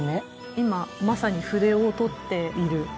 今まさに筆を執っている。